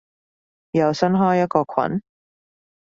又新開一個群？